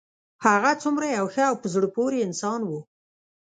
هغه څومره یو ښه او په زړه پورې انسان و